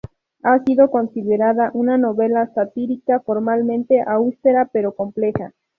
Ha sido considerada una novela satírica, formalmente austera pero compleja.